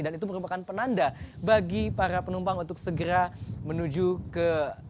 dan itu merupakan penanda bagi para penumpang untuk segera menuju ke